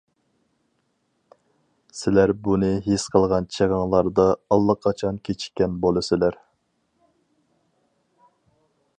سىلەر بۇنى ھېس قىلغان چېغىڭلاردا ئاللىقاچان كېچىككەن بولىسىلەر.